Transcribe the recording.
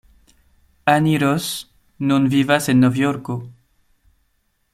Annie Ross nun vivas en Novjorko.